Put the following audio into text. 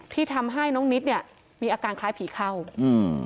ที่ทำให้น้องนิดเนี้ยมีอาการคล้ายผีเข้าอืม